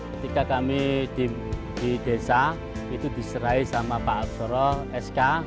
ketika kami di desa itu diserai sama pak aksoro sk